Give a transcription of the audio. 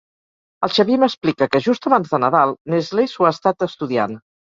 El Xavier m'explica que, just abans de Nadal, Nestlé s'ho ha estat estudiant.